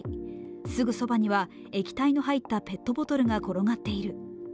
すぐそばには液体の入ったペットボトルが転がっている。